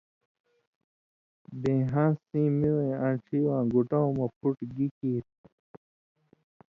بے ہان٘س سِیں می وَیں آن٘ڇھی واں گُٹؤں مہ پُھٹ گی کیریۡ